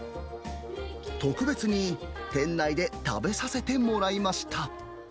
特別に店内で食べさせてもらいました。